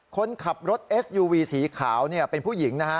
คนขับรถเอสยูวีสีขาวเป็นผู้หญิงนะฮะ